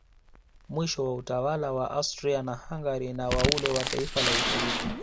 Mwisho wa utawala wa Austria naHungaria na wa ule wa taifa la Uturuki